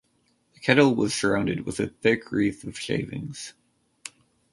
The kettle was surrounded with a thick wreath of shavings.